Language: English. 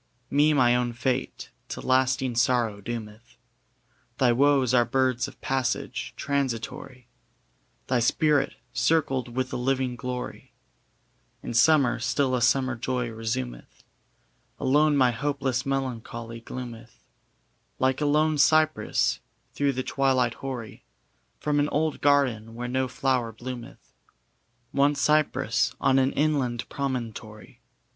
] Me my own fate to lasting sorrow doometh: Thy woes are birds of passage, transitory: Thy spirit, circled with a living glory, In summer still a summer joy resumeth. Alone my hopeless melancholy gloometh, Like a lone cypress, through the twilight hoary, From an old garden where no flower bloometh, One cypress on an inland promontory.